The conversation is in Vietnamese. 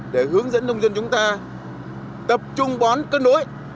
để hướng dẫn đông dân chúng ta tập trung bón cân đối